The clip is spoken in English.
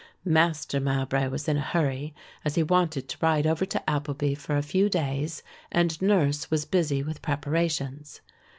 Master Mowbray was in a hurry, as he wanted to ride over to Appleby for a few days and Nurse was busy with preparations.